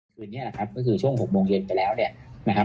คือนี้แหละครับก็คือช่วง๖โมงเย็นไปแล้วเนี่ย